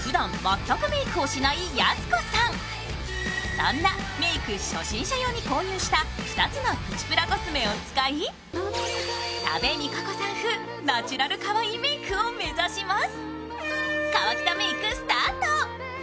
そんなメイク初心者用に購入した、２つのプチプラコスメを使い多部未華子さん風ナチュラルかわいいメイクを目指します。